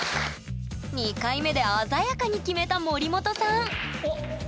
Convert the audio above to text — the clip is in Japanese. ２回目で鮮やかに決めた森本さんおっ！